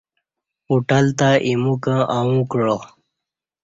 ہوٹل تہ ایمو کں اݣہ کعا